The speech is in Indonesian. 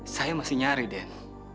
saya masih nyari den